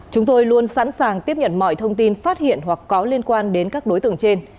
chúng tôi luôn sẵn sàng tiếp nhận mọi thông tin phát hiện hoặc có liên quan đến các đối tượng trên